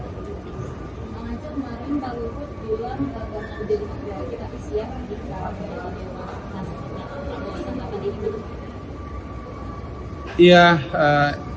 ak farmersi harus dipastikan bahwa seseorang bisa mencalonkan diri karena ada dukungan dari partai politik